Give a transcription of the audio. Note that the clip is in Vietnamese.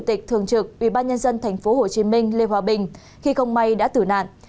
tịch thường trực ubnd tp hcm lê hòa bình khi không may đã tử nạn